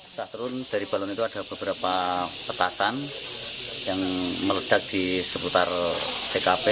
setelah turun dari balon itu ada beberapa petasan yang meledak di seputar tkp